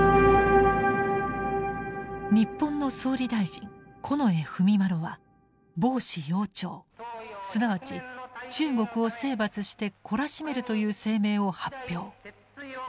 日本の総理大臣近衛文麿は暴支膺懲すなわち中国を征伐して懲らしめるという声明を発表。